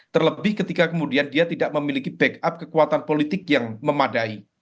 terlebih ketika kemudian dia tidak memiliki backup kekuatan politik yang memadai